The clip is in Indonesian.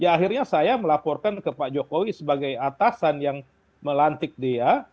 akhirnya saya melaporkan ke pak jokowi sebagai atasan yang melantik dia